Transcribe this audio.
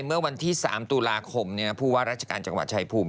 เมื่อวันที่๓ตุลาคมผู้ว่าราชการจังหวัดชายภูมิ